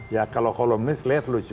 ya kalau kolomis lihat lucu aja